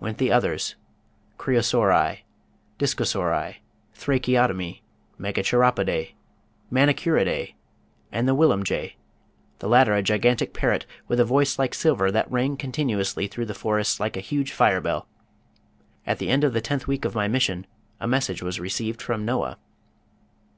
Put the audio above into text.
went the others, Creosauri, Dicosauri, Thracheotomi, Megacheropodæ, Manicuridæ, and the Willumjay, the latter a gigantic parrot with a voice like silver that rang continuously through the forests like a huge fire bell. At the end of the tenth week of my mission a message was received from Noah.